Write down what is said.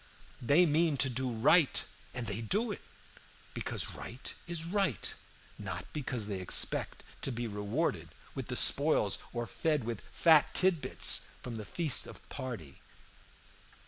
They mean to do right, and they do it, because right is right, not because they expect to be rewarded with the spoils or fed with fat tit bits from the feast of party.